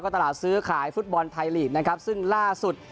ตลาดซื้อขายฟุตบอลไทยลีกนะครับซึ่งล่าสุด